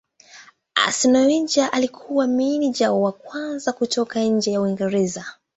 Arsenal Wenger alikuwa meneja wa kwanza kutoka nje ya Uingereza.